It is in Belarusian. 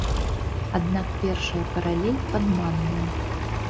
Аднак першая паралель падманная.